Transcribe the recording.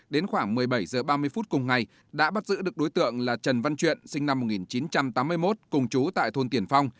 đến khoảng một mươi bảy h ba mươi phút cùng ngày đã bắt giữ được đối tượng là trần văn truyện sinh năm một nghìn chín trăm tám mươi một cùng chú tại thôn tiển phong